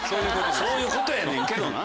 そういうことやねんけどな。